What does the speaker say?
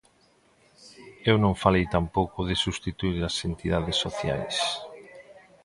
Eu non falei tampouco de substituír as entidades sociais.